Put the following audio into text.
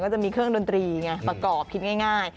จะมีเครื่องดนตรีไงประกอบคิดง่าย